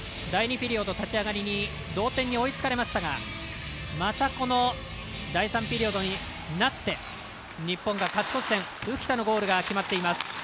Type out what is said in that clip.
第２ピリオド立ち上がりに同点に追いつかれましたがまた、第３ピリオドになって日本が勝ち越し点浮田のゴールが決まっています。